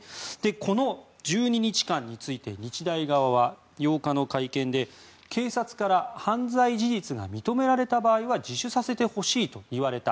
この１２日間について日大側は８日の会見で、警察から犯罪事実が認められた場合は自首させてほしいといわれた。